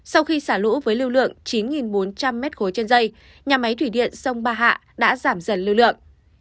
sau khi xả lũ với lưu lượng chín bốn trăm linh m ba trên dây nhà máy thủy điện sông ba hạ đã giảm dần lưu lượng